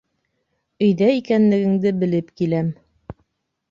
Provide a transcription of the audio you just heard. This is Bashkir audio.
Өйҙә икәнлегеңде белеп киләм.